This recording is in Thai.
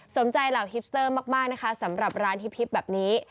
สมใจเหล่าฮิปสเตอร์มากนะคะสำหรับร้านฮิปแบบนี้